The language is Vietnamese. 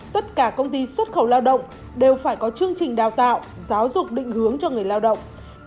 tất cả công ty xuất khẩu lao động đều phải có chương trình đào tạo giáo dục định hướng cho người lao động